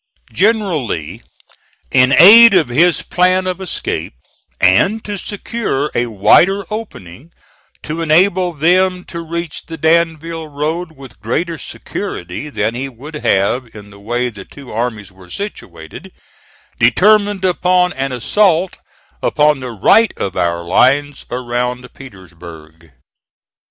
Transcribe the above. General Lee, in aid of his plan of escape, and to secure a wider opening to enable them to reach the Danville Road with greater security than he would have in the way the two armies were situated, determined upon an assault upon the right of our lines around Petersburg.